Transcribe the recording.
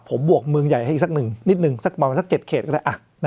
ผมบวกเมืองใหญ่ให้อีกสักหนึ่งนิดหนึ่งสักประมาณสัก๗เขตก็ได้